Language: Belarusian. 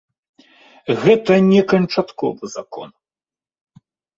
Гэта не канчатковы закон.